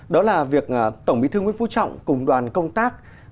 đó là việc tổng bí thư nguyễn phú trọng cùng đoàn công tác